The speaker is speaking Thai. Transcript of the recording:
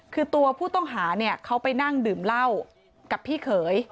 คือตัวผู้ต้องหาเนี่ยเขาไปนั่งดื่มเหล้ากับพี่เขย